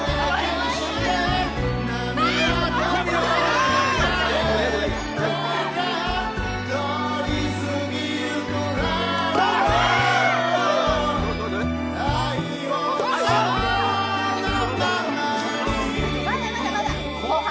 まだまだまだ、後半！